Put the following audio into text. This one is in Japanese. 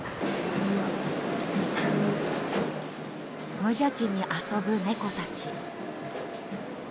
無邪気に遊ぶ猫たち。